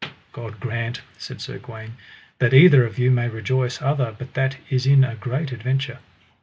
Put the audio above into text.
God grant, said Sir Gawaine, that either of you may rejoice other, but that is in a great adventure.